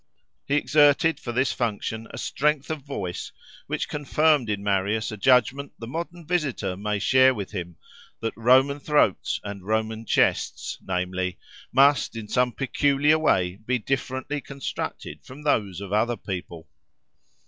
He exerted for this function a strength of voice, which confirmed in Marius a judgment the modern visitor may share with him, that Roman throats and Roman chests, namely, must, in some peculiar way, be differently constructed from those of other people.